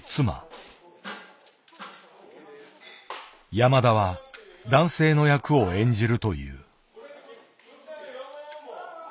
山田は男性の役を演じるという。